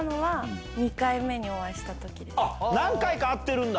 何回か会ってるんだ！